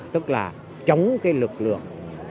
tức là chống lực lượng